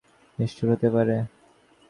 ওর মা নিষ্ঠুর হতে পারে, আমি পারি নে।